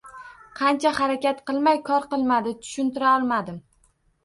Qancha harakat qilmay kor qilmadi, tushuntirolmadim.